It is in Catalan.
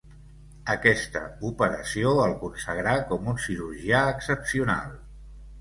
Aquesta operació el consagrà com un cirurgià excepcional.